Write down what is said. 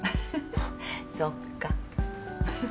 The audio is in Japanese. そっか。